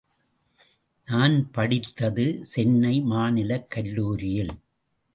நான் படித்தது சென்னை மாநிலக் கல்லூரியில்.